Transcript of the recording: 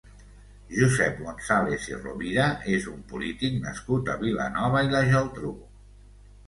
Josep González i Rovira és un polític nascut a Vilanova i la Geltrú.